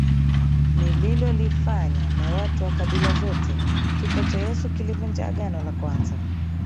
nililolifanya na watu wa kabila zote Kifo cha Yesu kilivunja Agano la kwanza